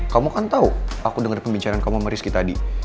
kamu kan tahu aku dengar pembicaraan kamu sama rizky tadi